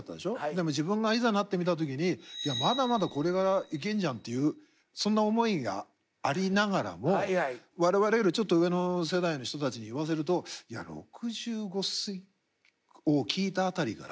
でも自分がいざなってみた時にまだまだこれからいけんじゃんっていうそんな思いがありながらも我々よりちょっと上の世代の人たちに言わせると６５をきいた辺りからガタッとくるよってよく言われて。